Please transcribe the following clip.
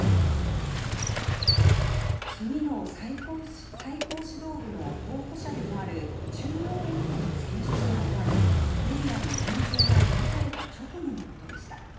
次の最高指導部の候補者でもある中央委員の選出が終わりメディアの入場が許された直後のことでした。